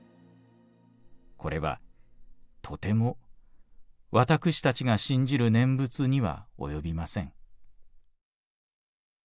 これはとても私たちが信じる念仏には及びません」。